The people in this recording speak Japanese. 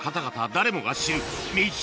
誰もが知るメシ